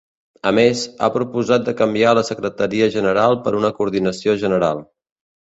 A més, ha proposat de canviar la secretaria general per una coordinació general.